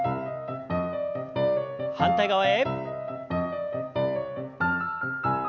反対側へ。